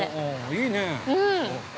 ◆いいね。